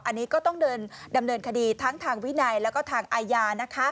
อันนี้ก็ต้องเดินดำเนินคดีทั้งทางวินัยแล้วก็ทางอาญานะคะ